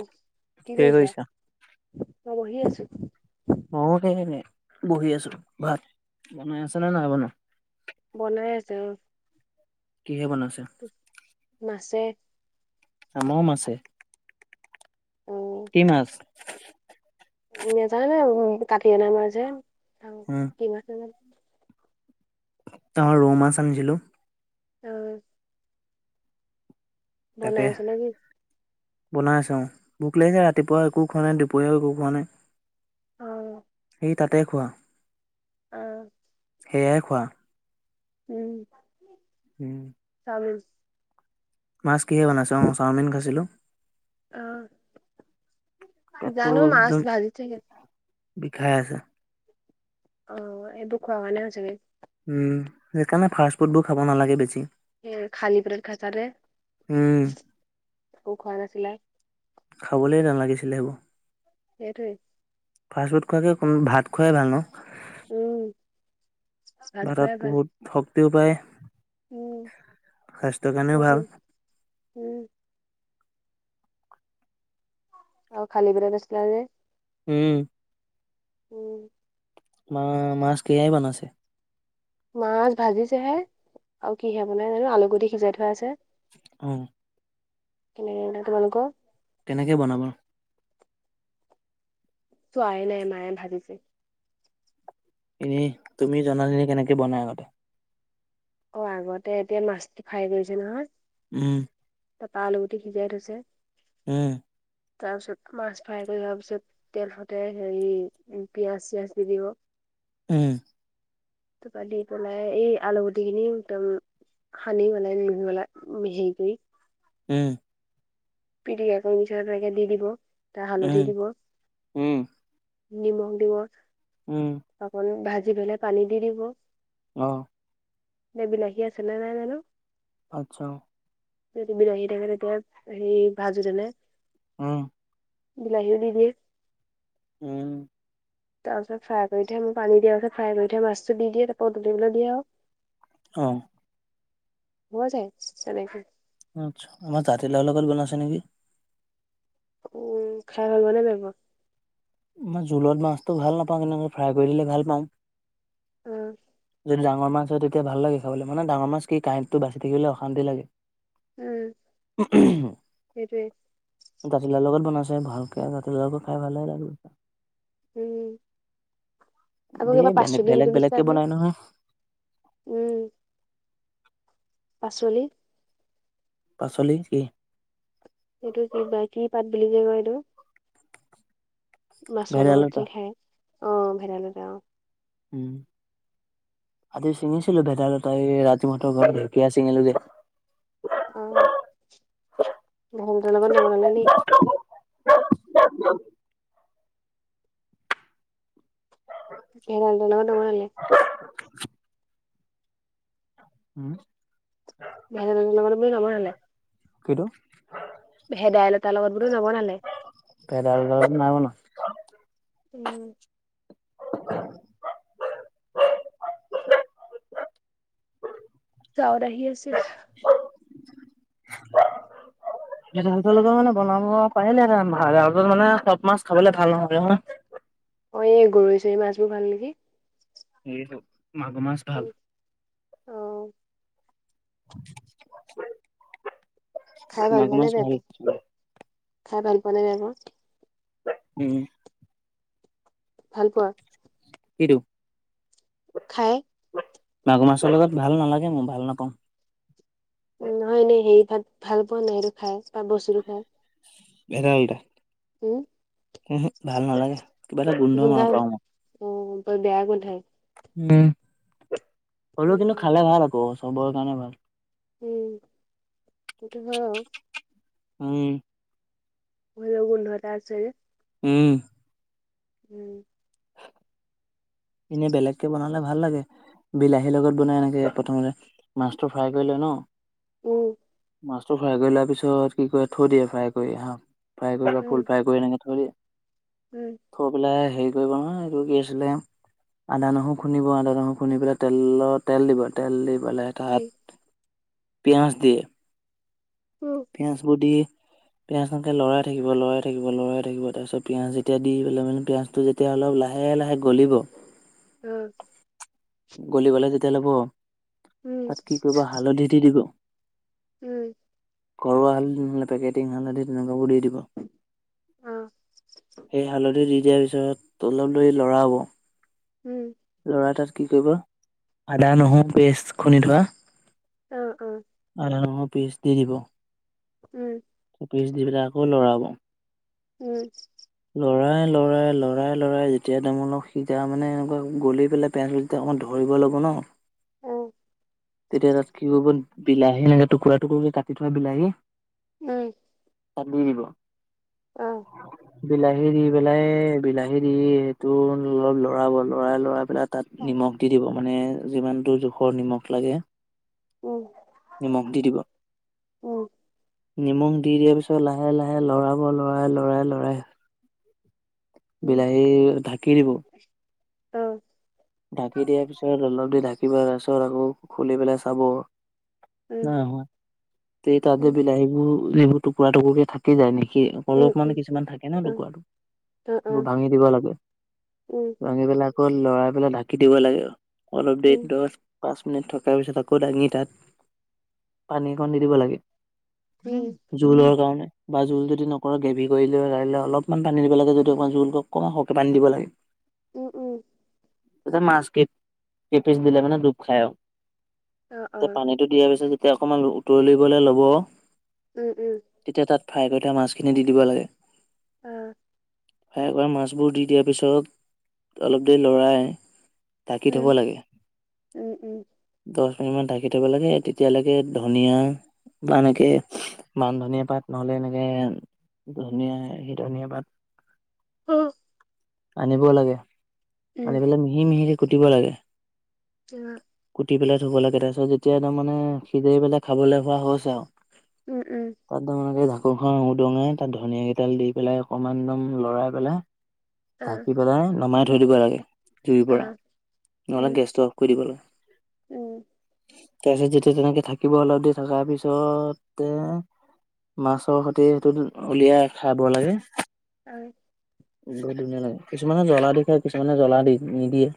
অঁ কি কৰিছা, মই বহি আছো! ময় সেই বহি আছো ভাত বনাই আছ নে নাই বনোৱা [unintelligible] বনাই আছে অঁ, কিহে বনাইছে! মাছে আমৰো মাছে, কি মাছ! নোজানে কাটি আনামাৰ যেন উম, কিান [unintelligible] আমাৰ ৰো মাছ আনিছিলোঁ! অঁ বনাই তাকে, আছে নেকি বনাই আছেঁ উম, ভোক লাগিছে ৰাতিপুৱা একো খোৱা নাই দুপৰীয়াও একো খোৱা নাই! অঁ সেই তাতে খোৱা অঁ হেয়াই খোৱা উম উম [unintelligible] চামিল [inaudible] মাছ কিহে বনাইছে! অঁ, চাওমিন খাইছিলো! অ পেটটো জানো মাছ একদম ভাজি চাগে বিষাই আছে! অ এইবোৰ খোৱা ম নে হৈছোগ [unintelligible] উম, সেইকাৰণে ফাষ্ট ফুড বোৰ খাব নালাগে বেছি! সেই খালি পেটত [unintelligible] খচাৰে উম, কৌ খোৱা নাছিলা খাবলৈ নালাগিছিলে সেইবোৰ! হেইটোৱে ফাষ্ট ফুড খোৱাকৈ কো ভাত খোৱাই ভাল ন! উম ভাত ভা তত খোৱাই ভাল বহুত শক্তিও পায়, উম স্বাস্থ্যৰ কাৰণেও সেইটোৱে ভাল! উম অ খাল বি নছিলিলা যে [unintelligible] উম উম মা মাছ কিহেৰে বনাইছে? মাছ ভাজিছেহে আৰু কিহে বনাই জানো আলুগুটি সিজাই থৈ আছে। অ। কেনো তোমালোকৰ - কেনেকৈ বনাব? চোৱাইে নাই মায়ে ভাজিছে। এনে তুমি জনাল ননে কেনেকে বনাই আগতে। অ আগতে এতিয়া মাছ ফ্ৰাই কৰিছে নহয়। উম। ত তা আলুি সিজাই থৈছে। উম। তাৰ পিছত মাছ ভাৰ থ যাৰ পিছত- তেল সতে হেৰি পিয়াজ চিয়াজ দি দিব। উম। তোপালে তোাই এই আলুগুটিখিনি একদম- হানি মাল লহাল হেই গৈ- উম। পিটিকা কৰি মিছ পকে দি দিব ত হালধি উম দিব- উম নিমখ দিব - উম। অকন ভাজি পেলাই পানী দি দিব- অহ। ন বিলাহী আছে নে নাই জানো- আচ্ছা। যদি বিলাহী থাকে তেতিয়া সেই ভাজোতেনে- অ। বিলাহিও দি দিয়ে - উম। তাৰ পাছ ফাই কৰি থ ম পানী দিয়াৰ পাছ ফ্ৰাই কৰি থাই মাছ দি দিয় তাৰপৰা উ তলিবলৈ দিয়ে আৰু- অহ। হ যায় চাগাইক- আচ্ছা আমাৰ জাতি লগৰ লগত গন আছে নেকি? উ খাই ভব নে বিব- মই জোলত মাছটো ভাল নাপাওঁ কেনেক ফ্ৰাই কৰি দিলে ভাল পাওঁ। অ। যদি ডাঙৰ মাছ হয় তেতিয়া ভাল লাগে খাব মানে ডাঙৰ মাছ কি কাঁহটতটো বাচি থাকিলে অশান্তি লাগে। [inaudible] উম সেইটোৱে দাতিলাৰ লগত বনাইছে ভালকে জাতিলা লগো খাই ভালে লাগে। উম আকৌ ধেৰ কিবা বেলেগ পাচল বেলেগ সুধিছিলা বেলেগকে নহয়? বনাই উম। পাচলি? পাচলি কি? এইটো কি বা কি পাত বুলি কয় এইটো- মাছৰ লগত ভেদাইলতা যে খাই অ ভেদাই লতা অ - উম আজি ছিঙিছিলো ভেদাইলতই ৰাতি মতৰ ঘৰত ঢেকীয়া চিঙিলো যে- অ', [unintelligible] নবনালে নি? [unintelligible] [inaudible] হম। [unintelligible] কিতু? ভেদাইলতাৰ লগত বোলো নবনালে? ভেদাইলতা লগত নাই বনোৱা। উম। [inaudible] [unintelligible] আহি আছে। [inaudible] ভেদাইলতা লগত মানে বনাব পাৰিলেহেতেন ভালকে মানে চব মাছ খাবলে ভাল নহয় নহয়। অ', এই গৰৈ চৰৈ মাছবোৰ ভাল নেকি? এইটো মাগুৰ মাছ ভাল। উম, অ [inaudible] খাই ভাল মাগুৰ পোৱা নে মাছ বেয়া পোৱা, খাই ভাল পোৱা নে বেয়া পোৱা? উম। ভাল পোৱা? কিটো? খায়? মাগুৰ মাছৰ লগত ভাল নালাগে মোৰ, মই ভাল নাপাওঁ। নহয় এনেই হেৰি ভাত ভাল পোৱা নাই খাই বা বস্তুটো খাই। ভেদাইলতা? উম। উহো, ভাল নালাগে কিবা এটা গোন্ধ মাৰ গোন্ধাই ন পাওঁ মই। অ', বৰ বেয়া গোন্ধাই। উম, হলেও কিন্তু উম খালে ভাল আকৌ চবৰ কাৰণে ভাল। উম, সেইটো হয় বাৰু। উম। ভোলৰ গোন্ধ এটা আছে যে। উম। উম। এনে বেলেগকে বনালে ভাল লাগে। বিলাহীৰ লগত বনাই এনেকে প্ৰথমতে মাছটো ফ্ৰাই কৰি লয় ন। উম। মাছটো ফ্ৰাই কৰি লোৱা পিছত কি কৰে থৈ দিয়ে ফ্ৰাই কৰি হা। ফ্ৰাই কৰিব বা উম ফুল ফ্ৰাই কৰি এনেকে থৈ দিয়ে। উম। থৈ পেলাই হেৰি কৰিব নহয়, এইটো কি আছিলে আদা নহৰু খুন্দিব আদা নহৰু খুন্দি পেলাই তেলত তেল দিব তেল দি পেলাই উম তাত পিয়াজ দিয়ে। উম। পিয়াজ বোৰ দি পিঁয়াজ সিনিকে লৰাই থাকিব, লৰাই থাকিব, লৰাই থাকিব তাৰপিছত পিঁয়াজ যেতিয়া দি পেলাই মানে পিঁয়াজটো যে তিয়া অলপ লাহে লাহে গলিব। উম। গলিবলে তেতিয়া ল'ব, উম তাত কি কৰিব হালধি দি দিব। উম। ঘৰুৱা হালধি নহলে পেকেটিং হালধি তেনেকুৱ দি দিব, অ সেই হালধি দি দিয়াৰ পিছত অলপ দেৰি লৰাব। উম। লৰাই তাত কি কৰিব, আদা, নহৰু পেষ্ট খুন্দি থোৱা। অ', অ'। আদা, নহৰু পেষ্ট দি দিব। উম। পিচ দি পেলাই আকৌ লৰাব। হয়। লৰাই, লৰাই, লৰাই, লৰাই যেতিয়া তাৰমানে সিজা মানে এনেকুৱা গলি পেলাই পেজ। তেতিয়া অকমান ধৰিব লাগে ন। তেতিয়া তাত কি কৰিব বিলাহী এনেক টুকুৰা টুকুৰা কৰি কাটি থোৱা বিলাহী। উম। তাত দি দিব। অ'। বিলাহী দি পেলাই বিলাহী দি সেইটো অলপ লৰাব লৰাই, লৰাই পেলাই। তাত নিমখ দি দিব মানে যিমানটো জোখৰ নিমখ লাগে। উম। নিমখ দি দিব। নিমখ দি দিয়াৰ পিছত লাহে, লাহে লৰাব লৰাই, লৰাই, লৰাই। বিলাহী ঢাকি দিব অ'। ঢাকি দিয়াৰ পিছত অলপ দি ঢাকিব পিছত আকৌ খুলি পেলাই চাব। উম অ ন এই তাতে উম বিলাহীবোৰ এইবোৰ। টুকুৰা টুকুৰ কে থাকি যায় নেকি। উম উম অলপ অ উম মানে উম উম কিছুমান থাকে ন উম অ অ অ লুকুৰাটো ভাঙি দিব লাগে। উম ভাঙি পেলাই আকৌ লৰাই পেলাই ঢাকি দিব লাগে অলপ দেৰি। পাঁচ মিনিট থকাৰ পিছত আকৌ দাঙি তাত পানী অকণ দি দিব লাগে। উম উম জোলৰ কাৰণে। বা জোল যদি নকৰে গ্ৰভভি কৰি ললে গািলে অলপমান পানী দিব লাগে যদি অকমান জোলক অকমান সহে পানী দিব লাগে। উম, উম। ততে মাছ পেপিচ দিলে মানে দুব খায় অ অ পানী। দিয়া পিছত যেতিয়া অকমান উতলিবলৈ ল'ব। উম, উম। তেতিয়া তাত ফ্ৰাই কৰি থোৱা মাছখিনি দি দিব লাগে। অ'। ফ্ৰাই কৰা মাছবোৰ দি দিয়াৰ পিছত অলপ দেৰি লৰাই। ধাকি থ'ব উম লাগে। উম উম দহ মিনিট মান ঢাকি থব লাগে, তেতিয়ালৈকে ধনিয়া বা এনেকে মান ধনিয়া পাত নহলে এনেকে। ধুনীয়া সি ধনীয়া পাত। অ'। আনিব লাগে আনি পেলাই মিহি মিহিক কুটিব লাগে। [unintelligible] কুটি পেলাই থুব লাগে তাৰপিছত যেতিয়া তাৰ মানে সিজাই পেলাই খাবলৈ হোৱা হৈছে আৰু। উম, উম। তাত তকে ঢাকোনখন উদঙাই তাত ধনিয় কেইডাল দি পেলাই অকমান একদম লৰাই পেলাই। ঢাকি পেলাই নমাই থৈ দিব লাগে জুইৰ অ পৰা নহ'লে উম গেষ্ট কৰি দিব লাগে। উম। তাৰপিছত যেতিয়া তেনেকে থাকিব হল দে থাকাৰ পিছত তে মাছৰ সৈতে সেইটো উলিয়াই খাব লাগে। ঐ। বহুত ধুনীয়া লাগে কিছুমানে জ্বলা দি খায় কিছুমানে জ্বলা দি নিদিয়ে।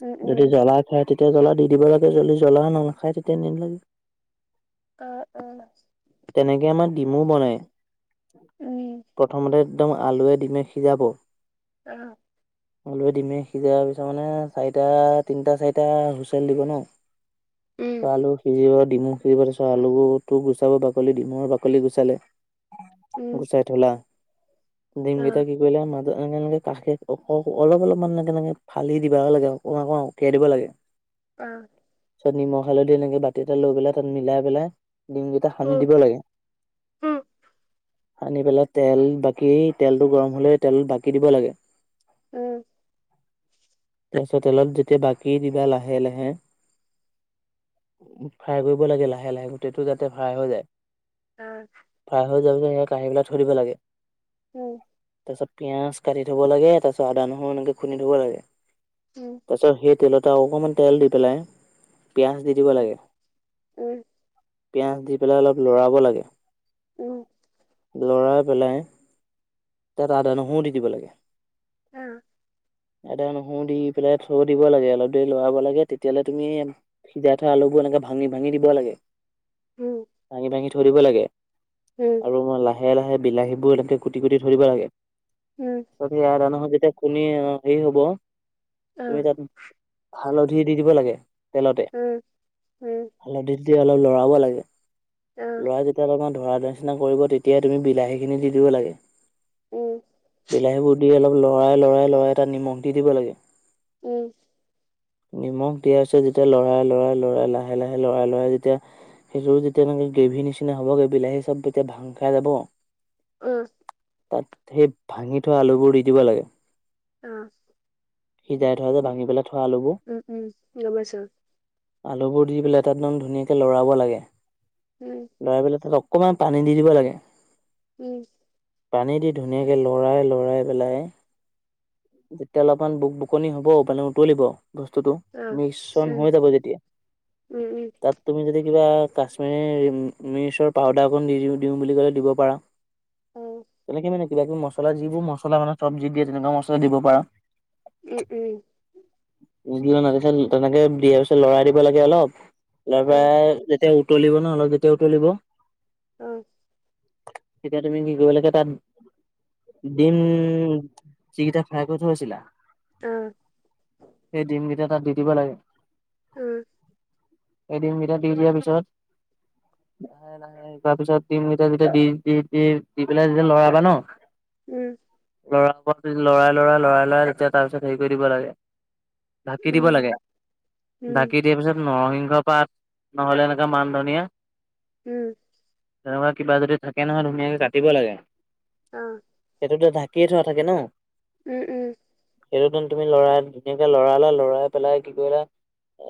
উম যদি উম জ্বলা খায় তেতিয়া জ্বলা দি দিব লাগে যদি জ্বলা নাখায় তেতিয়া নিম লাগে অঁ, অঁ। তেনেকে আমাৰ ডিমো বনাই। অ উম উম প্ৰথমতে একদম আলুৱে দিমে সিজাব অ'। অলুৱে দিমে সিজাৰ পিছত মানে চাৰিটা তিনিটা চাৰিটা হুইচেল দিব ন উম অ আলু সিজিব দিমু খিজিব। তাৰ পিছত আলুটো গুচাব বাকলি দিমৰ বাকলি গুচালে, উম উম গুচাই ধূলা। অ দিমকেইটা কি কৰিলা? মাজত এনেকে এনেকে কাষে অ' অলপ অলপ মান এনেকে ফালি দিব লাগে অকমান অকমান অকিয়াই দিব লাগে। অ'। তাৰ পিছত নিমখ হা'লধি এনেকে বাতি এটা লৈ পেলাই তাত মিলাই পেলাই দিমকেইটা উ সানি দিব লাগে। একো উ উম শব্দ নাই। সানি পেলাই তেল বাকি তেলটো গৰম হ'লে তেলত বাকী দিব লাগে। উম। তাৰপিছত তেলত যেতিয়া বাকী দিবা লাহে লাহে উ ফ্ৰাই কৰিব লাগে লাহে লাহে গোটেইটো যাতে ফ্ৰাই হৈ যায়। অ'। ফ্ৰাই হৈ যোৱা পিছত সেয়া কাঁহীপেলাই থৈ দিব লাগে। উম। তাৰ পিছত পিয়াজ কাটি থব লাগে, তাৰপিছত আদা নহৰু এনেকে খুন্দি দিব লাগে। উম। তাৰপিছত সেই তেলত অকণমান তেল দি পেলাই পিঁয়াজ দি দিব উম লাগে। উম পিয়ঁয়াজ দি পেলাই অলপ লৰাব লাগে উম। লৰাই পেলাই তাত আদা নহৰু দি দিব লাগে অঁ। আদা নহৰু দি পেলাই থৈ দিব লাগে, অলপ দেৰি লৰাব লাগে তেতিয়ালৈ তুমি সিজাই থোৱা আলুবোৰ এনেকে ভাঙি ভাঙি দিব লাগে ভাঙি ভাঙি থৈ দিব লাগে। হুম। অ, লাহে লাহে বিলাহীবোৰ এনেকে কুতি কুতি থৈ দিব লাগে উম। তাৰ পিছত যেতিয়া আদা নহৰু খুন্দি হেৰি হব, অ তুমি তাত হা'লধি দি দিব লাগে তেলতে উম, উম। হা'লধি দি অলপ লৰাব লাগে, লৰাই তাত অকমান ধৰা ধৰা নিচিনা কৰিব তেতিয়াই তুমি বিলাহী খিনি দি দিব লাগে। উম। বিলাহীবোৰ দি অলপ লৰাই লৰাই লৰাই তাত নিমখ দি দিব লাগে। উম। নিমখ দিয়া পিছত যেতিয়া লৰাই লৰাই লৰাই লাহে লাহে লৰাই লৰাই যেতিয়া সেইটো যেতিয়া তেনেকে গ্ৰেভি নিচিনা হ'বগে, বিলাহী চব তেতিয়া ভাং খাই যাব অঁ। তাত সেই ভাঙি থোৱা আলুবোৰ দি দিব লাগে। অঁ। সিজাই থোৱা যে ভাঙি পেলাই থোৱা আলোবোৰ উম, উম, গ'ম পাইছো। আলুবোৰ দি পেলাই তাত একদম ধুনীয়াকৈ লৰাব লাগে। ওম লৰাই পেলাই তাত অকণমান পানী দি দিব লাগে। উম! পানী দি ধুনীয়াকৈ লৰাই লৰাই পেলাই! যেতিয়া অলপমান বুক বুকনি হব, পানী উতলিব বস্তুতটো! অ মিশ্ৰণ উম হৈ যাব যেতিয়া উম উম তাত। তুমি যদি কিবা কাশ্মীৰ মিৰ্চৰ পাউদাৰ অকণ দি দি দিওঁ বুলি ক'লে দিব পাৰা। অ তেনেকে মানে কিবা কিবি মছলা, যিবোৰ মছলা মানে চবজিত দিয়ে তেনেকুৱা মছলা দিব পাৰা। উম উম! দুদিন মান তেনেকে দিয়াৰ পিছত লৰাই দিব লাগে অলপ! তাৰ পৰা যেতিয়া উতলিব ন অলপ যেতিয়া উতলিব! অঁ তেতিয়া তুমি কি কৰিব লাগে তাত, দিম! জি কেইটা ফ্ৰাই কৰি থৈছিলা! উম! সেই দিমকেইটা তাত দি দিব লাগে। উম! এই দিম কেইটা দি দিয়াৰ পিছত। লাহে লাহে তাৰ পিছত দিমেইতাক যেতিয়া দি দি দি দি পেলাই যেতিয়া লৰাবা ন! উম লৰা ও লৰাই লৰাই লৰাই লৰাই তেতিয়া তাৰপিছত হেৰি কৰি দিব লাগে। ঢাকি দিব লাগে ঢাকি। দিয়াৰ পিছত নৰসিংহ পাত নহলে এনেকা মান ধনিয়া! উম। তেনেকুৱা কিবা যদি থাকে নহয় ধুনীয়াকে কাটিব লাগে। অঁ সেইটোতো ঢাকিয়ে থৰা থাকে ন। উম উম! এইটো তুমি লৰাই ধুনীয়াকে লৰালা লৰাই পেলাই কি কৰিলা?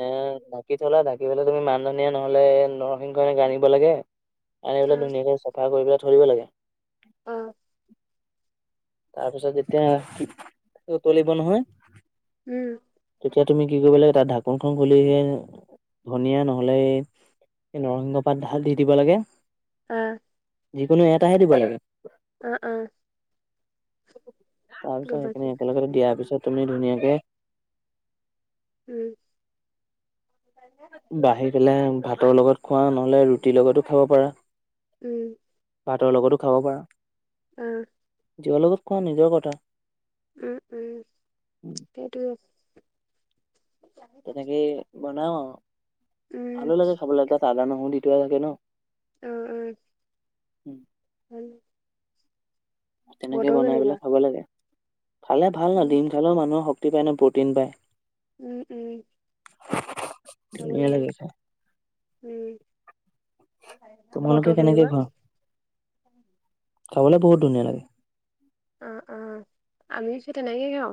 এ ঢাকি থলা ঢাকি পলে তুমি মানধনীয়া নহলে নৰসিংহ আনিব লাগে। আনি পেলাই ধুনীয়াকে চাফা কৰি পেলাই থৈ লাগে। অঁ তাৰ পিছত যেতিয়া উতলিব নহয়! উম তেতিয়া তুমি কি কৰিব লাগে, তাত ঢাকোনখন খুলিহে ধনীয়া নহলে! নৰসিংহ পাত ধালি দিব লাগে। অ যিকোনো এটাহে দিব লাগে। অঁ অঁ তাৰপিছত সেইখিনি একেলগে দিয়াৰ পিছত তুমি ধুনীয়াকে! উম! বাঢ়ি পেলাই ভাতৰ লগত খোৱা নহলে ৰুটিৰ লগতো খাব পাৰা। উম। ভাতৰ লগতো খাব পাৰা। অ যিহ লগত কোৱা নিজৰ কথা! উম উম সেইটো। তেনেকে বনাও ভালো লাগে খাবলৈ তাত আদা নহৰু দি থোৱা থাকে ন! অ অ উম, বুজিব পৰা নাই তেনেকে বনাই কেনেকুৱা পেলাই খাব লাগে। খালে ভাল না উম দিম খালেও মানুহৰ শক্তি পায় ন প্ৰটিন পায়। উম উম। [unintelligible] খাব লাগে উম। তোমালোকে বতৰ কেনেকে কেনেকুৱা? খাবলে বহুত ধুনীয়া লাগে। উম উম আমিও সেই তেনেকেই খাওঁ।